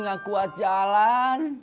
gak kuat jalan